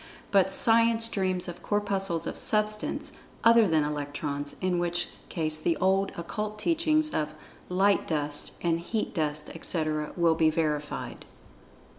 But Science dreams of Corpuscles of Substance other than Electrons, in which case the old Occult teachings of "light dust" and "heat dust," etc., will be verified.